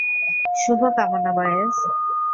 শুভ কামনা, বয়েজ!